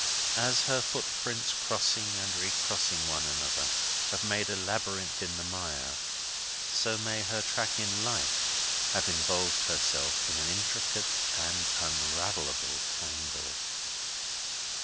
As her footprints crossing and recrossing one another have made a labyrinth in the mire, so may her track in life have involved itself in an intricate and unravellable tangle.